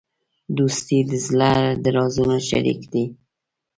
دوستي د زړه د رازونو شریک دی.